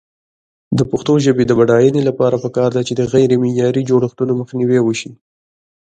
د پښتو ژبې د بډاینې لپاره پکار ده چې غیرمعیاري جوړښتونه مخنیوی شي.